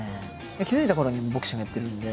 気付いたころにはボクシングやってるんで。